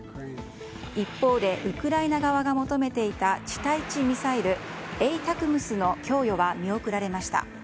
一方でウクライナ側が求めていた地対地ミサイルＡＴＡＣＭＳの供与は見送られました。